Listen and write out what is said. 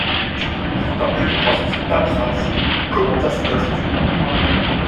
Dubourg, d'un coup de poing sur ses paperasses, commenta cette attitude.